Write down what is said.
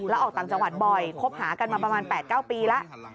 แล้วออกต่างจังหวัดบ่อยคบหากันมาประมาณ๘๙ปีแล้ว